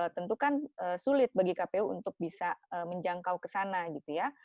tentu kan sulit bagi kpu untuk bisa menjangkau ke sana gitu ya